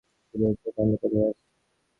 খিদেয় চোখ অন্ধকার হয়ে আসছে।